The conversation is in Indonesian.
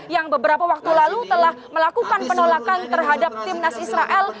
yang beberapa waktu lalu telah melakukan penolakan terhadap timnas israel